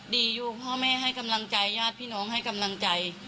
ดีอยู่พ่อแม่ให้กำลังใจญาติพี่น้องให้กำลังใจ